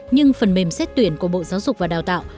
nhưng phần mềm xét tuyển của bộ giáo dục và đào tạo